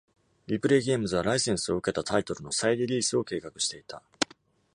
リプレイ・ゲームズはライセンスを受けたタイトルの再リリースを計画していた。